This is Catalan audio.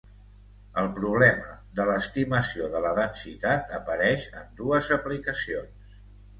El problema de l'estimació de la densitat apareix en dues aplicacions.